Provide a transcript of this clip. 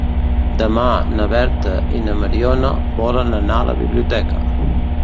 Demà na Berta i na Mariona volen anar a la biblioteca.